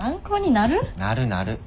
なるなる。